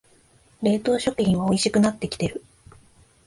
冷凍食品はおいしくなってきてる